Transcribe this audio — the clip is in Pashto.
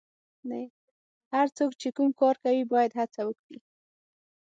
هر څوک چې کوم کار کوي باید هڅه وکړي.